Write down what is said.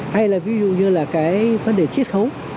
hay là ví dụ như là cái vấn đề triết khấu